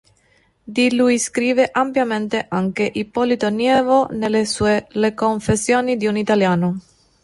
Di lui scrive ampiamente anche Ippolito Nievo nelle sue "Le confessioni di un italiano".